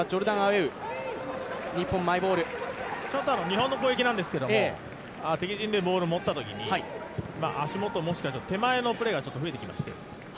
日本の攻撃なんですけど敵陣でボールを持ったときに足元、もしかすると手前のプレーが増えてきました。